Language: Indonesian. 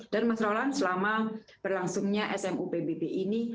dan mas rolan selama berlangsungnya smu pbb ini